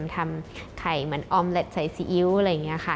ทำไข่เหมือนออมเล็ตใส่ซีอิ๊วอะไรอย่างนี้ค่ะ